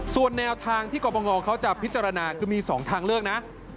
ส่วนแนวทางที่กรบงเขาจะพิจารณาคือมี๒ทางเลือกนะ